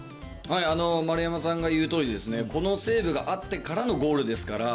丸山さんが言うとおりですね、このセーブがあってからのゴールですから。